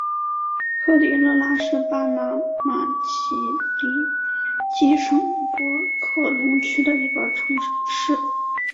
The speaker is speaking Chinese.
科迪勒拉是巴拿马奇里基省博克龙区的一个城市。